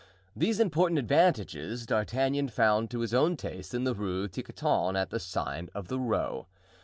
These important advantages D'Artagnan found to his own taste in the Rue Tiquetonne at the sign of the Roe.